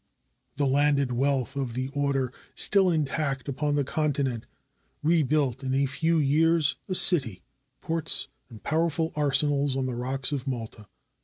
The landed wealth of the order, still intact upon the Continent, rebuilt in a few years a city, ports, and powerful arsenals, on the rocks of Malta.